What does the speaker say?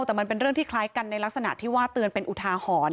แต่มันเป็นเรื่องที่คล้ายกันในลักษณะที่ว่าเตือนเป็นอุทาหรณ์